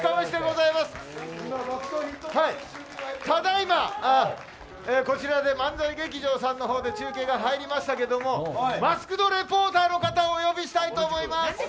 ただ今、漫才劇場さんのほうで中継が入りましたがマスクド・レポーターの方をお呼びしたいと思います！